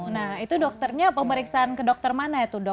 nah itu dokternya pemeriksaan ke dokter mana ya tudok